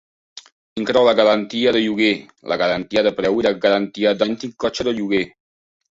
Inclou la garantia de lloguer, la garantia de preu i la garantia d'antic cotxe de lloguer.